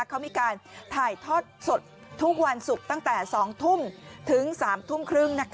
เขามีการถ่ายทอดสดทุกวันศุกร์ตั้งแต่๒ทุ่มถึง๓ทุ่มครึ่ง